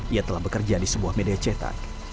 ia telah bekerja di sebuah media cetak